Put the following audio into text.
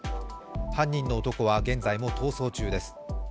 犯人の男は現在も逃走中です。